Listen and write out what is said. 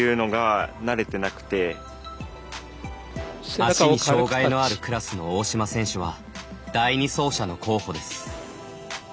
足に障がいのあるクラスの大島選手は第２走者の候補です。